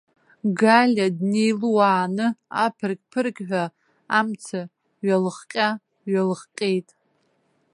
Галиа днеилууаан, аԥырқь-ԥырқьҳәа амца ҩалыхҟьа-ҩалыхҟьеит.